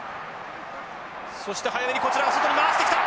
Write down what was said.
そして早めにこちらは外に回してきた。